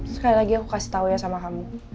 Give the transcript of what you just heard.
sekali lagi aku kasih tau ya sama kamu